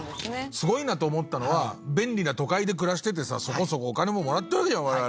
すごいなと思ったのは便利な都会で暮らしててさそこそこお金ももらってるわけじゃない我々。